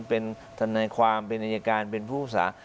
เป็นทันในความเป็นนัยการเป็นผู้อุตสาหก